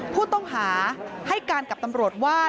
ผู้ต้องหาให้การกับตำรวจว่า